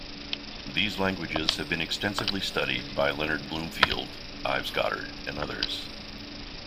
These languages have been extensively studied by Leonard Bloomfield, Ives Goddard, and others.